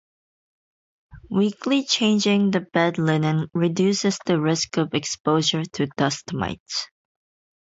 Weekly changing the bed linen reduces the risk of exposure to dust mites.